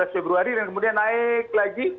lima belas februari dan kemudian naik lagi